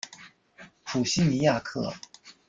普西尼亚克。